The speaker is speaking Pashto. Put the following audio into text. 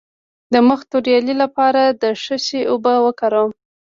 د مخ د توروالي لپاره د څه شي اوبه وکاروم؟